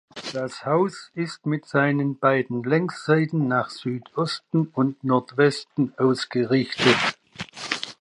Das Haus ist mit seinen beiden Längsseiten nach Südosten und Nordwesten ausgerichtet.